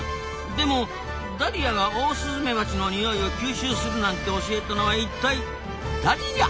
でもダリアがオオスズメバチの匂いを吸収するなんて教えたのは一体ダリア？